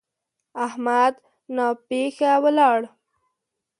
احمد ناپېښه ولاړ.